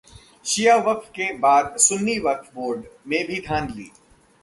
शिया वक्फ के बाद सुन्नी वक्फ बोर्ड में भी धांधली